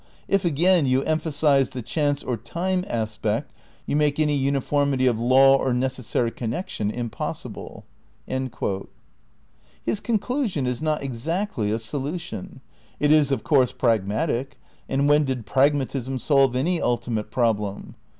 If again you emphasize the chance or time aspect you make any uniformity of law or neces sary connection impossible." His conclusion is not exactly a solution. It is, of course pragmatic, and when did pragmatism solve any ultimate problem?